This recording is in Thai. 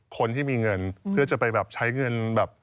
คนที่มีเงินเพื่อจะไปแบบใช้เงินแบบ